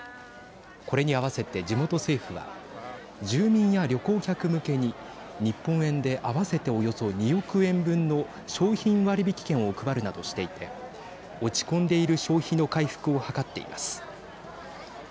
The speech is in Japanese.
これに合わせて地元政府は住民や旅行客向けに日本円で合わせておよそ２億円分の商品割引券を配るなどしていて落ち込んでいる消費の回復を図っています。